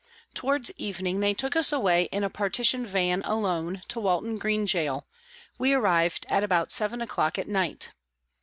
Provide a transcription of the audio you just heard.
Towards evening they took us away in a partition van, alone, to Walton Green Gaol, we arrived at about 7 o'clock at night.